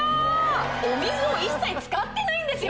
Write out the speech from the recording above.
お水を一切使ってないんですよ